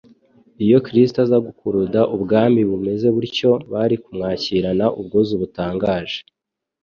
Iyo Kristo aza gukuruda ubwami bumeze butyo bari kumwakirana ubwuzu butangaje.